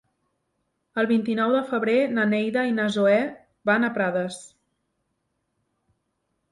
El vint-i-nou de febrer na Neida i na Zoè van a Prades.